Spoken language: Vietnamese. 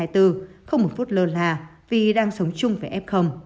đồn là vì đang sống chung với f